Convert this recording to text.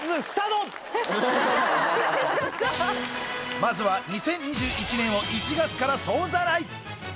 まずは２０２１年を１月から総ざらい！